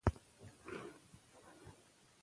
تعليم شوې نجونې د خلکو ترمنځ شفاف اړيکې جوړوي.